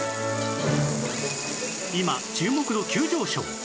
今注目度急上昇！